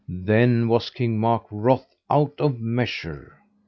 Then was King Mark wroth out of measure.